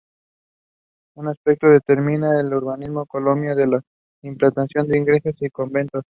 Un aspecto determinante en el urbanismo colonial era la implantación de iglesias y conventos.